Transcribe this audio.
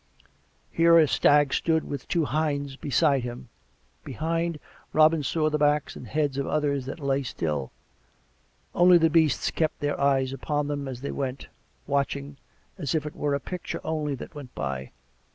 Here a stag stood with two hinds beside him; behind, Robin saw the backs and heads of others that lay still. Only the beasts kept their eyes upon them, as they went, watching, as if it were a picture only that went by.